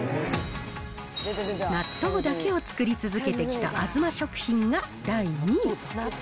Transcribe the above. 納豆だけを作り続けてきたあづま食品が第２位。